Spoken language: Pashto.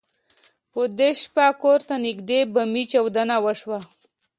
په دې شپه کور ته نږدې بمي چاودنه وشوه.